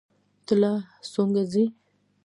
ته لا سونګه ږې.